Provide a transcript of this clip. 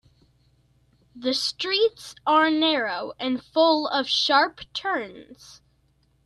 The streets are narrow and full of sharp turns.